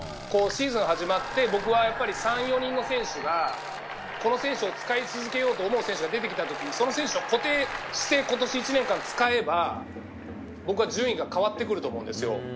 シーズン始まって僕は３４人の選手がこの選手を使い続けようと思う選手が出てきた時にその選手を固定して今年１年間、使えば順位が変わってくると思うんですよ。